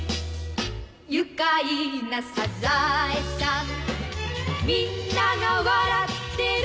「愉快なサザエさん」「みんなが笑ってる」